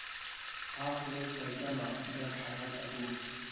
ئاخ لەو سەردەما بەر حەیات ئەبووم